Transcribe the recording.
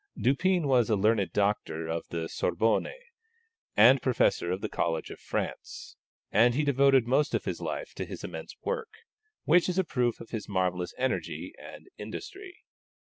Dupin was a learned doctor of the Sorbonne, and professor of the College of France; and he devoted most of his life to his immense work, which is a proof of his marvellous energy and industry.